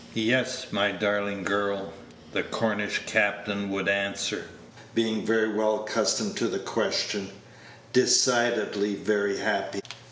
"Yes, my darling girl," the Cornish captain would answer, being very well accustomed to the question, "decidedly, very happy."